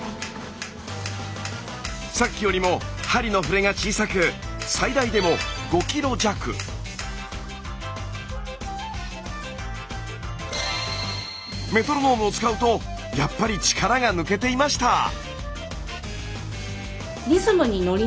さっきよりも針の振れが小さく最大でもメトロノームを使うとやっぱり力が抜けていました。